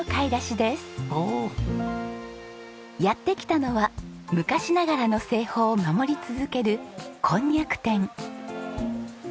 やって来たのは昔ながらの製法を守り続けるコンニャク店。